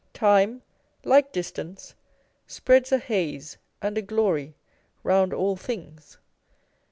Time, like distance, spreads a haze and a glory round all things.